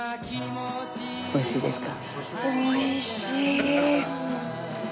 美味しいですか？